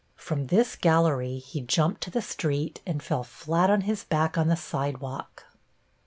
From this gallery he jumped to the street and fell flat on his back on the sidewalk.